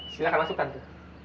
silahkan masuk tante